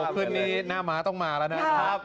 ขึ้นนี้หน้าม้าต้องมาแล้วนะครับ